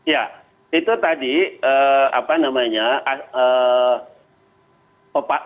ya itu tadi apa namanya